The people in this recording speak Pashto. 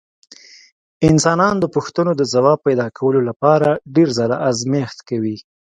انسانان د پوښتنو د ځواب پیدا کولو لپاره ډېر ځله ازمېښت کوي.